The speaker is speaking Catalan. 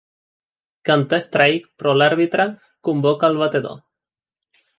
Canta strike, però l'àrbitre convoca el batedor.